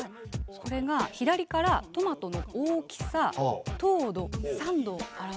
これが左からトマトの大きさ糖度酸度を表しています。